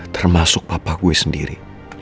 termasuk papa gue sendiri